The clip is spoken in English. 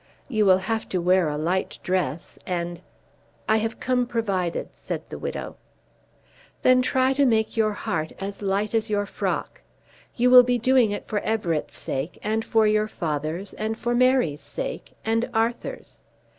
You will have to wear a light dress, and " "I have come provided," said the widow. "Try then to make your heart as light as your frock. You will be doing it for Everett's sake, and for your father's, and for Mary's sake and Arthur's.